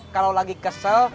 kalau lagi kesel